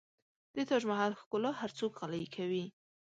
د تاج محل ښکلا هر څوک غلی کوي.